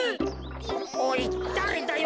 おいだれだよ？